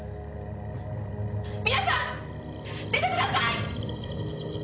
皆さん出てください！